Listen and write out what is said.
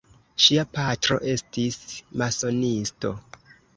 Ŝia patro estis masonisto.